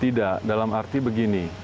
tidak dalam arti begini